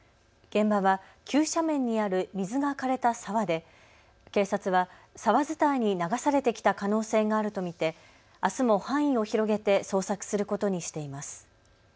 現場は急な斜面にある水がかれた沢で警察は沢伝いに流されてきた可能性があると見てあすも範囲を広げて捜索することにしています。